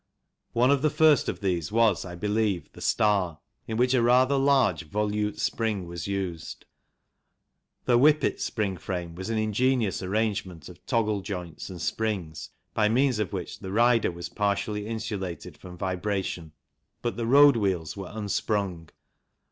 One of the first of these was, I believe, the Star, in which a rather large volute spring was used. The Whippet spring frame was an ingenious arrangement of toggle joints and springs by means of which the rider was partly insulated from vibration, but the road wheels were unsprung.